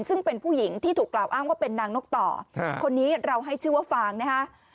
ซึ่งเป็นผู้หญิงที่ถูกกล่าวอ้างว่าเป็นนางนกต่อคนนี้เราให้ชื่อว่าฟางนะฮะ